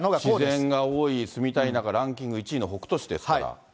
自然が多い住みたい田舎ランキング１位の北杜市ですから。